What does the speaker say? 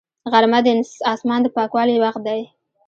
غرمه د اسمان د پاکوالي وخت دی